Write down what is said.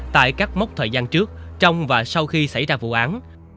tại các mốc thời gian trước trong và sau khi xảy ra vụ án